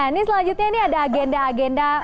ini selanjutnya ini ada agenda agenda